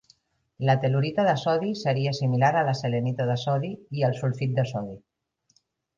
La tel·lurita de sodi seria similar a la selenita de sodi i al sulfit de sodi.